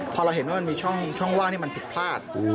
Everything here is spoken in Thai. พอเราเห็นว่ามันมีช่องว่างที่มันผิดพลาด